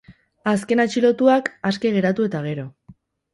Azken atxilotuak, aske geratu eta gero.